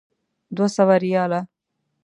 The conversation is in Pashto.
دوه سوه ریاله.